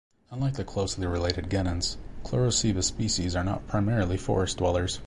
Unlike the closely related guenons, "Chlorocebus" species are not primarily forest dwellers.